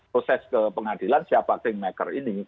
proses ke pengadilan siapa think maker ini